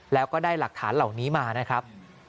แล้วก็ได้หลักฐานเหล่านี้มานะครับ